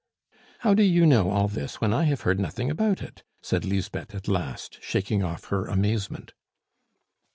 "How do you know all this when I have heard nothing about it?" said Lisbeth at last, shaking off her amazement.